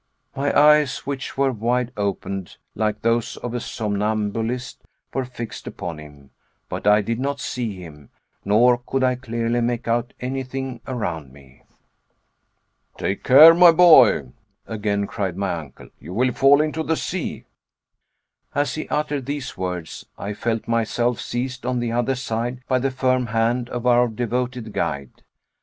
My eyes, which were wide opened like those of a somnambulist, were fixed upon him, but I did not see him, nor could I clearly make out anything around me. "Take care, my boy," again cried my uncle, "you will fall into the sea." As he uttered these words, I felt myself seized on the other side by the firm hand of our devoted guide.